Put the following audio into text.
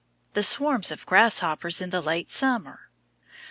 The swarms of grasshoppers in the late summer?